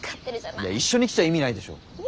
一緒に来ちゃ意味ないでしょ。